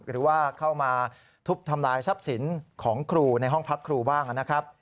หรือว่าเข้ามาทุบทำลายทรัพย์สินของครูในห้องพักครูบ้างนะครับ